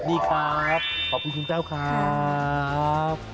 ดีครับขอบคุณคุณแต้วครับ